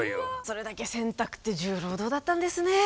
それだけ洗濯って重労働だったんですね。